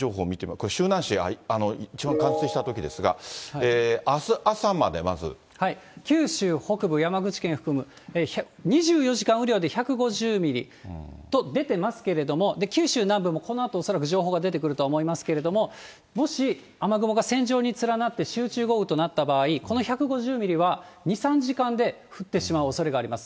これ、周南市、一番冠水したときですが、あす朝まで、まず。九州北部、山口県含む、２４時間雨量で１５０ミリと出てますけれども、九州南部もこのあと恐らく情報が出てくると思いますけれども、もし雨雲が線状に連なって、集中豪雨となった場合、この１５０ミリは２、３時間で降ってしまうおそれがあります。